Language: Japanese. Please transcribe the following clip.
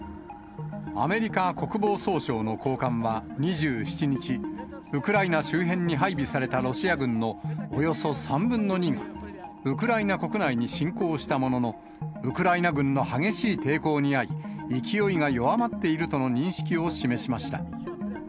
アメリカ国防総省の高官は２７日、ウクライナ周辺に配備されたロシア軍のおよそ３分の２が、ウクライナ国内に侵攻したものの、ウクライナ軍の激しい抵抗にあい、勢いが弱まっているとの認識を示しました。